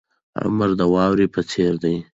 عمر د واورې په څیر دی.